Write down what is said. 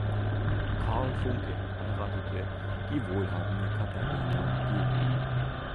Carl Funke heiratete die wohlhabende Katharina geb.